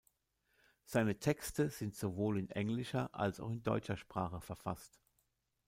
Seine Texte sind sowohl in englischer als auch in deutscher Sprache verfasst.